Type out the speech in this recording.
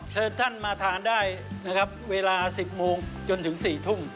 เชิญท่านมาทานได้นะครับเวลา๑๐โมงจนถึง๔ทุ่ม